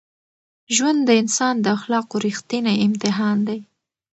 ژوند د انسان د اخلاقو رښتینی امتحان دی.